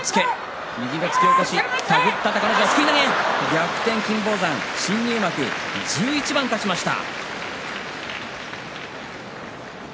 逆転、金峰山新入幕１１番勝ちました。